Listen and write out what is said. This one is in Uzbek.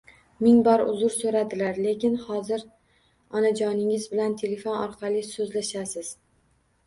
Ming bor uzr so‘radilar. Lekin xozir onajoningiz bilan telefon orqali so‘zlashasiz.